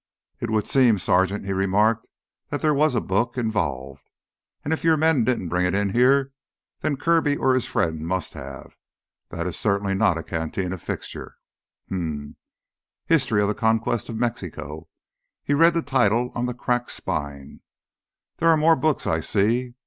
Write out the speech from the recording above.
"It would seem, Sergeant," he remarked, "that there was a book involved. And if your men didn't bring it in here, then Kirby or his friend must have. This is certainly not a cantina fixture. Hmm, History of the Conquest of Mexico," he read the title on the cracked spine. "There are more books, I see."